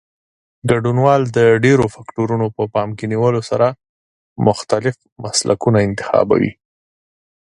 ګډونوال د ډېرو فکټورونو په پام کې نیولو سره مختلف مسلکونه انتخابوي.